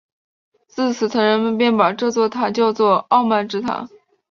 自此人们便把这座塔叫作傲慢之塔。